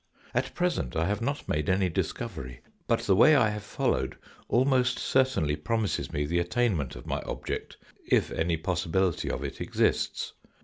" At present I have not made any discovery, but the way I have followed almost certainly promises me the attainment of my object if any possibility of it exists.